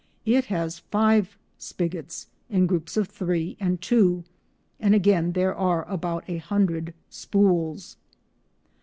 It has five spigots in groups of three and two, and again there are about a hundred spools.